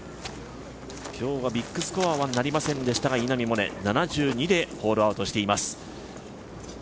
今日はビッグスコアはなりませんでしたが、稲見萌寧７２でホールアウトしています。